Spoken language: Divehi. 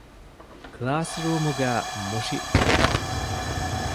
ކްލާސްރޫމުގައި މުށި ޖެހުމަށް